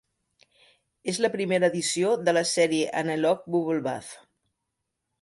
És la primera edició de la sèrie "Analogue Bubblebath".